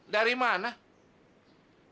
dari harta orang tua kamu